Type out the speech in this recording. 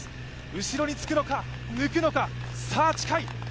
後ろにつくのか、抜くのか、さぁ、近い。